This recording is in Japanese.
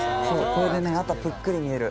これでねぷっくり見える。